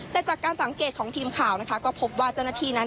แต่จากการสังเกตของทีมข่าวก็พบว่าจนาทีนั้น